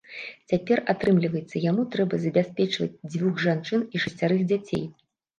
Цяпер, атрымліваецца, яму трэба забяспечваць дзвюх жанчын і шасцярых дзяцей.